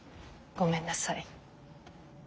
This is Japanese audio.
ごめんなさい。